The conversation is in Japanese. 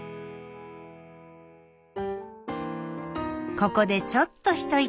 ここでちょっと一息。